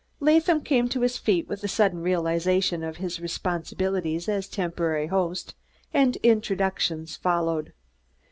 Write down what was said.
Latham came to his feet with a sudden realization of his responsibilities as a temporary host, and introductions followed.